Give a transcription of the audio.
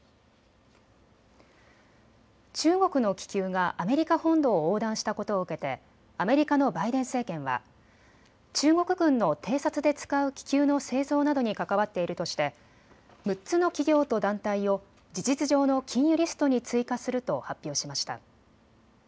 中国の気球がアメリカ本土を横断したことを受けてアメリカのバイデン政権は中国軍の偵察で使う気球の製造などに関わっているとして６つの企業と団体を事実上の禁輸リストに追加すると発表しました。